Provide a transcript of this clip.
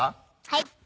はい！